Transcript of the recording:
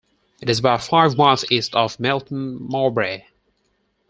It is about five miles east of Melton Mowbray.